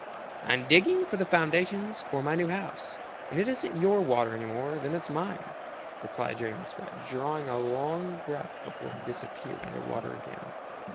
"I'm digging for the foundations for my new house, and it isn't your water any more than it's mine," replied Jerry Muskrat, drawing a long breath before he disappeared under water again.